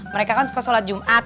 mereka kan suka sholat jumat